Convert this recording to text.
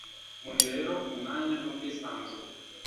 muhe rero umwanya n'ubwisanzure